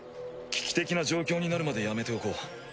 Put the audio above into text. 危機的な状況になるまでやめておこう。